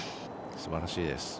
すばらしいです。